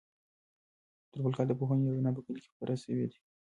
تر بل کال به د پوهې رڼا په کلي کې خپره سوې وي.